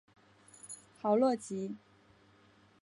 豪洛吉。